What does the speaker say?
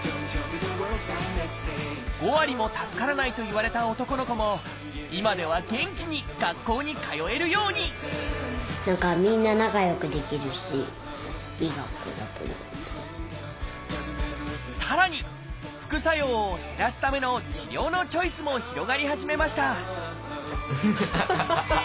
５割も助からないといわれた男の子も今では元気に学校に通えるようにさらに副作用を減らすための治療のチョイスも広がり始めましたハハハハ！